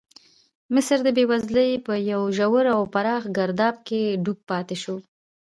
مصر د بېوزلۍ په یو ژور او پراخ ګرداب کې ډوب پاتې شو.